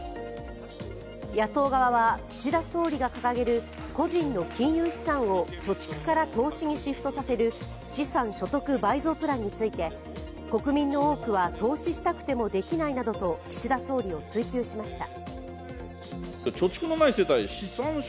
野党側は岸田総理が掲げる個人の金融資産を貯蓄から投資にシフトさせる資産所得倍増プランについて国民の多くは、投資したくてもできないなどと岸田総理を追及しました。